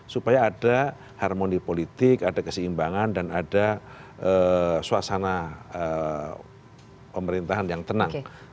supaya ada harmoni politik ada keseimbangan dan ada suasana pemerintahan yang tenang